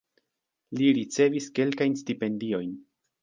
Li ricevis kelkajn stipendiojn.